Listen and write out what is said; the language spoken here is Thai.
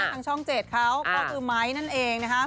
ทางช่อง๗เขาก็คือไม้นั่นเองนะคะ